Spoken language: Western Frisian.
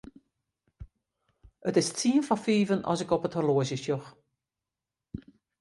It is tsien foar fiven as ik op it horloazje sjoch.